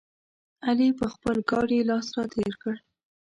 علي پر خپل ګاډي لاس راتېر کړ.